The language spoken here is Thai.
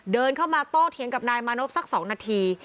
เดินเข้ามาโต้เถียงกับนายมานพสัก๒นาที